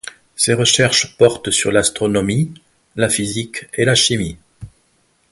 Ses recherches portent sur l’astronomie, la physique et la chimie.